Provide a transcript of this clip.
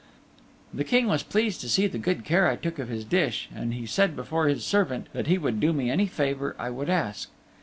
The King was pleased to see the good care I took of his dish, and he said before his servant that he would do me any favor I would ask.